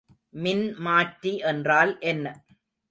மின்மாற்றி என்றால் என்ன?